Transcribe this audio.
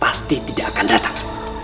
pasti tidak akan datang